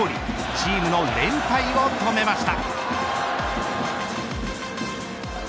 チームの連敗を止めました。